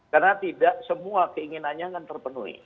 karena tidak semua keinginannya akan terpenuhi